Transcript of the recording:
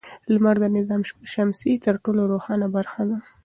لمر د نظام شمسي تر ټولو روښانه برخه ده.